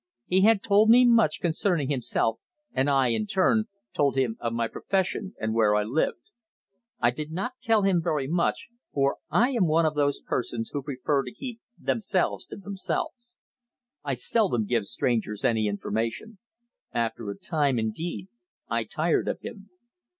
He had told me much concerning himself, and I, in turn, told him of my profession and where I lived. I did not tell him very much, for I am one of those persons who prefer to keep themselves to themselves. I seldom give strangers any information. After a time, indeed, I tired of him.